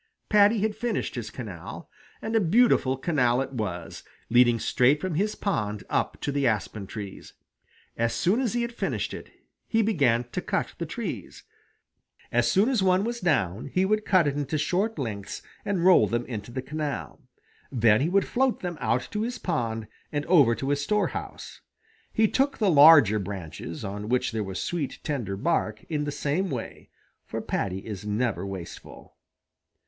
Paddy had finished his canal, and a beautiful canal it was, leading straight from his pond up to the aspen trees. As soon as he had finished it, he began to cut the trees. As soon as one was down he would cut it into short lengths and roll them into the canal. Then he would float them out to his pond and over to his storehouse. He took the larger branches, on which there was sweet, tender bark, in the same way, for Paddy is never wasteful.